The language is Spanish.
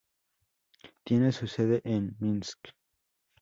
Tiene su sede en Minsk.